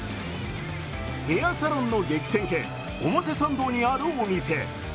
ヘアサロンの激戦区、表参道にあるお店。